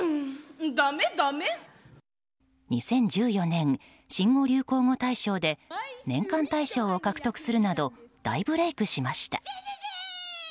２０１４年新語・流行語大賞で年間大賞を獲得するなど大ブレークしました。